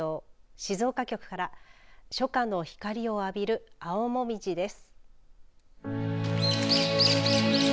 静岡局から初夏の光を浴びる青もみじです。